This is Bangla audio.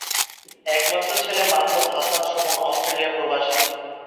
একমাত্র ছেলে মাহমুদ হাসান সুমন অস্ট্রেলিয়া প্রবাসী।